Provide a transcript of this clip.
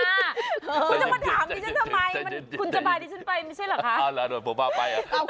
คุณจะมาถามดิฉันทำไมคุณจะมาดิฉันไปไม่ใช่เหรอคะ